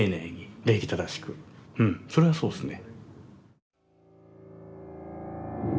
うんそれはそうですね。